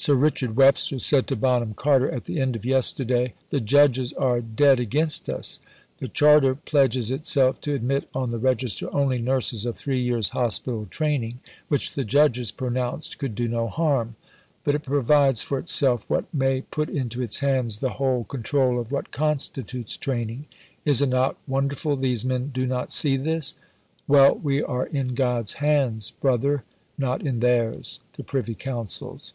Sir Richard Webster said to Bonham Carter at the end of yesterday, "The judges are dead against us." The Charter pledges itself to admit on the Register only nurses of three years' Hospital training which the Judges pronounced could do no harm. But it provides for itself what may put into its hands the whole control of what constitutes training. Is it not wonderful these men do not see this? Well, "we are in God's hands, brother, not in theirs" (the Privy Council's).